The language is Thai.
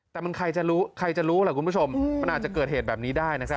แต่มันใครจะรู้ใครจะรู้ล่ะคุณผู้ชมมันอาจจะเกิดเหตุแบบนี้ได้นะครับ